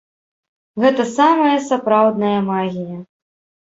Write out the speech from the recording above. Гэта самая сапраўдная магія!